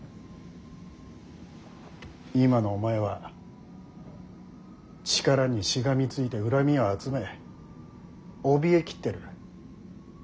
今のお前は力にしがみついて恨みを集めおびえ切ってる。